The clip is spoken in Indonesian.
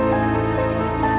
kau tipu bapak